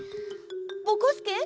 ぼこすけ？